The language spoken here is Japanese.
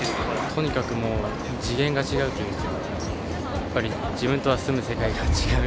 とにかくもう次元が違うというか、やっぱり自分とは住む世界が違う。